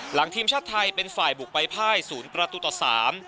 หลังทีมชาติไทยเป็นฝ่ายบุกใบ้ภายศูนย์กระตุษา